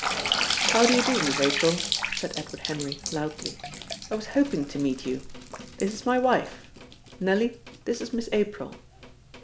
"How do you do, Miss April?" said Edward Henry loudly. "I was hoping to meet you. This is my wife. Nellie, this is Miss April."